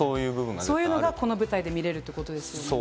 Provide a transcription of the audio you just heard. そういうのがこの舞台で見られるってことですね。